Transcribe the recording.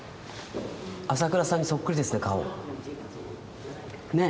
朝倉さんにそっくりですね顔。ね？